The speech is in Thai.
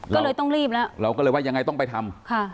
ก็เลยต้องรีบแล้วเราก็เลยว่ายังไงต้องไปทำค่ะ